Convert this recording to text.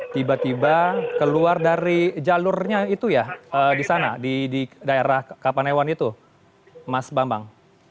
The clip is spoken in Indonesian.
tiba tiba keluar dari jalurnya itu ya di sana di daerah kapanewon itu mas bambang